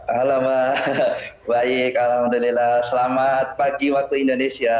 halo mbak baik alhamdulillah selamat pagi waktu indonesia